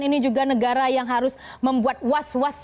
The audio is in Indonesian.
ini juga negara yang harus membuat was was